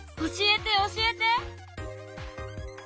教えて教えて！